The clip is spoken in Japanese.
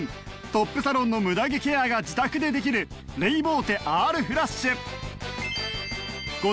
トップサロンのムダ毛ケアが自宅でできるレイボーテ Ｒ フラッシュ